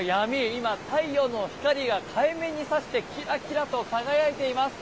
今、太陽の光が海面に差してキラキラと輝いています。